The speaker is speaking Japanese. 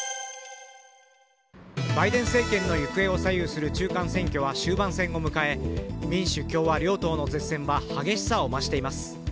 バイデン政権の行方を左右する中間選挙は終盤戦を迎え民主・共和両党の舌戦は激しさを増しています。